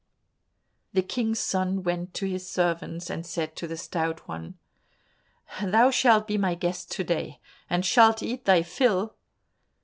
The King's son went to his servants and said to the Stout One, "Thou shalt be my guest to day, and shalt eat thy fill."